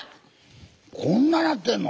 こんななってんの。